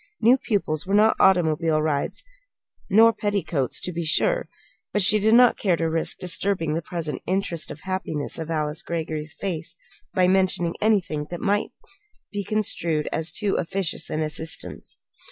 New pupils were not automobile rides nor petticoats, to be sure but she did not care to risk disturbing the present interested happiness of Alice Greggory's face by mentioning anything that might be construed as too officious an assistance.